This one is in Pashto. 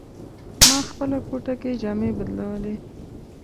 ما خپله کوټه کې جامې بدلولې.